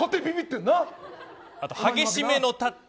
あと、激しめのタッチ。